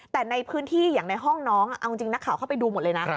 แต่ในพื้นที่อย่างในห้องน้องเอาจริงนักข่าวเข้าไปดูหมดเลยนะ